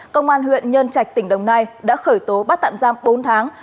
công an huyện nhân trạch tỉnh đồng nai đã khởi tố bắt tạm giam bốn tháng